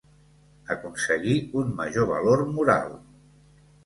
Aconseguí un major valor moral.